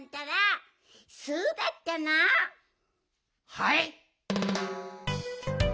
はい？